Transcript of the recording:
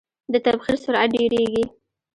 د تبخیر سرعت ډیریږي.